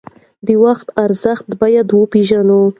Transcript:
د وخت ارزښت باید وپیژنو.